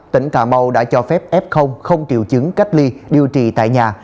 tỉnh cà mau đã cho phép f không triệu chứng cách ly điều trị tại nhà